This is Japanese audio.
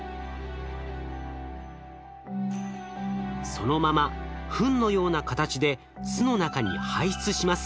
そのままふんのような形で巣の中に排出します。